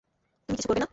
তুমি কিছু করবে না।